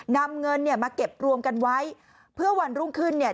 นำเงินเนี่ยมาเก็บรวมกันไว้เพื่อวันรุ่งขึ้นเนี่ย